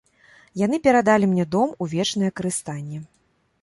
Яны перадалі мне дом у вечнае карыстанне.